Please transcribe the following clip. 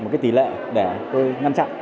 một cái tỷ lệ để tôi ngăn chặn